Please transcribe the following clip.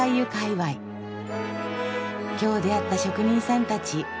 今日出会った職人さんたち